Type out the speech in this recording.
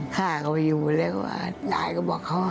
ข้าก็ไปอยู่เลยลายเขาบอกเขา